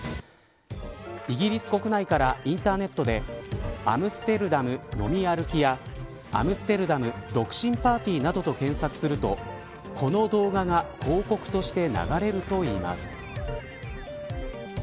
イギリス国内からインターネットでアムステルダム飲み歩きやアムステルダム独身パーティーなどと検索するとこの動画が広告として流れるといいます。